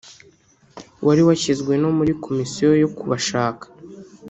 wari washyizwe no muri komisiyo yo kubashaka